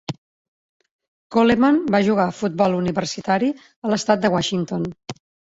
Coleman va jugar a futbol universitari a l'estat de Washington.